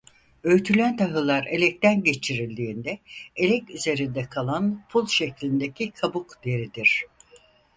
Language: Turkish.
Öğütülen tahıllar elekten geçirildiğinde elek üzerinde kalan pul şeklindeki kabuk deridir.